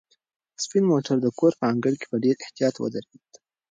سپین موټر د کور په انګړ کې په ډېر احتیاط ودرېد.